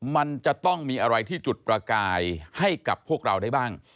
มันจะต้องมีอะไรที่จุดประกายให้กับพวกเราได้บ้าง